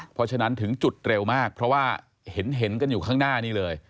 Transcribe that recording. เพราะฉะนั้นถึงจุดเร็วมากเพราะว่าเห็นกันอยู่ข้างหน้านี้เลย